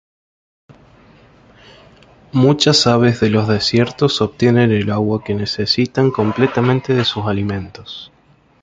Muchas aves de los desiertos obtienen el agua que necesitan completamente de sus alimentos.